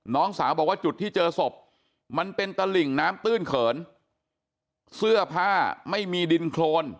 น้องสาวบอกว่าจุดที่เจอศพมันเป็นตลิ่งน้ำตื้นเขินเสื้อผ้าไม่มีดินโครน